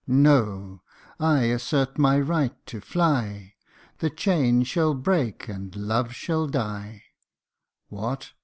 No ; I assert my right to fly The chain shall break, and Love shall die What